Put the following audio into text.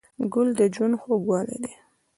ګل د ژوند خوږوالی دی.